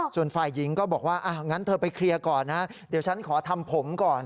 ส่วนฝ่ายหญิงก็บอกว่างั้นเธอไปเคลียร์ก่อนนะเดี๋ยวฉันขอทำผมก่อน